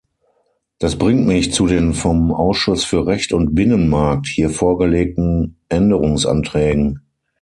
Das bringt mich zu den vom Ausschuss für Recht und Binnenmarkt hier vorgelegten Änderungsanträgen.